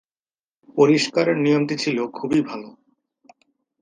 পরিষ্কারের নিয়মটি ছিল খুবই ভালো।